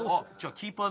キーパー！